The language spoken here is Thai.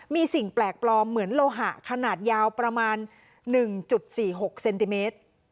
มีสิ่งแปลกปลอมเหมือนโลหะขนาดยาวประมาณ๑๔๖เซนติเมตร